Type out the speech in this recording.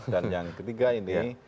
dan yang ketiga ini